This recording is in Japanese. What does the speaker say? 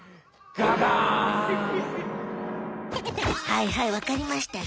はいはいわかりました